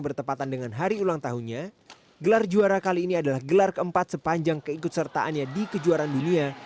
bertepatan dengan hari ulang tahunnya gelar juara kali ini adalah gelar keempat sepanjang keikutsertaannya di kejuaraan dunia